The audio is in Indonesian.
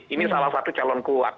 ini salah satu calon kuat